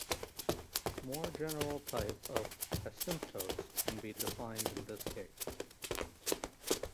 More general type of asymptotes can be defined in this case.